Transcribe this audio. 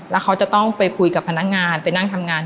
แล้วเขาจะต้องไปคุยกับพนักงาน